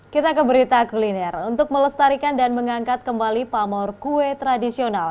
kita ke berita kuliner untuk melestarikan dan mengangkat kembali pamor kue tradisional